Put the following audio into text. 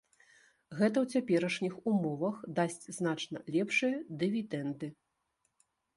Гэта ў цяперашніх умовах дасць значна лепшыя дывідэнды.